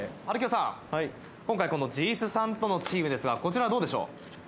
はるきよさん今回じーすさんとのチームですがこちらはどうでしょう？